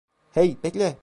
Hey, bekle!